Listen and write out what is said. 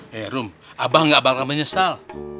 he rom abah gak bakal menyesal